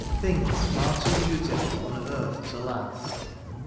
Things far too beautiful on earth to last.